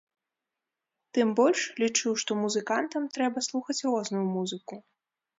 Тым больш, лічу, што музыкантам трэба слухаць розную музыку.